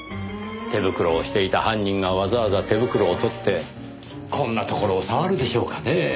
手袋をしていた犯人がわざわざ手袋を取ってこんなところを触るでしょうかねぇ？